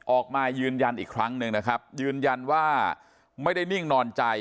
ออกมายืนยันอีกครั้งหนึ่งนะครับยืนยันว่าไม่ได้นิ่งนอนใจ